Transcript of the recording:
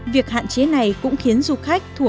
việc hạn chế này cũng khiến du khách